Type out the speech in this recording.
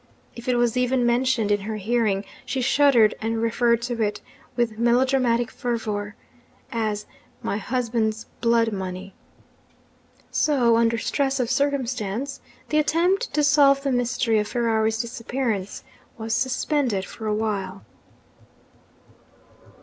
If it was even mentioned in her hearing, she shuddered and referred to it, with melodramatic fervour, as 'my husband's blood money!' So, under stress of circumstances, the attempt to solve the mystery of Ferrari's disappearance was suspended for a while.